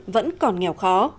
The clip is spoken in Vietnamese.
vẫn còn nghèo khó